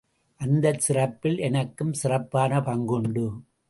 அந்தச் சிறப்பில் எனக்கும் சிறப்பான பங்குண்டு.